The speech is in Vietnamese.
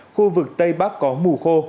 khu vực tây bắc có mù khô